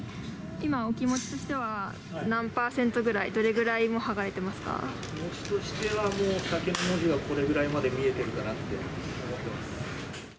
今、お気持ちとしては何％ぐらい、気持ちとしてはもう、酒の文字はこれぐらいまで見えてるかなって思ってます。